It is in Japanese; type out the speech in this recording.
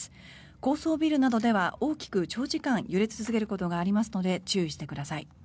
高層ビルなどでは大きく長時間、揺れ続けることがありますので注意してください。